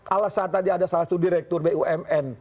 alasan tadi ada salah satu direktur bumn